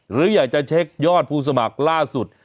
หรืออยากจะเช็คยอดผู้สมัครล่าสุด